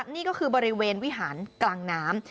นี่ก็คือบริเวณวิหารกลางน้ำ